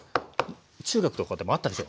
中学とかでもあったでしょ。